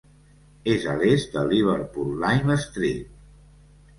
És a l'est de Liverpool Lime Street.